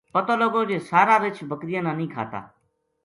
پتو لگو جے سارا رچھ بکریاں نا نیہہ کھاتا